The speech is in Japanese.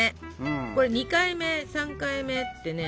これ２回目３回目ってね